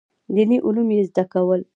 دیني علوم یې زده کول.